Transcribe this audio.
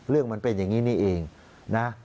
อ๋อเรื่องมันเป็นอย่างนี้นี่เองนะ